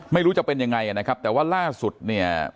ไม่รู้จะเป็นยังไงนะครับแต่ว่าล่าสุดเนี่ย